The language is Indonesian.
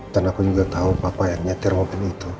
dan aku juga tau papa yang nyetir mobil itu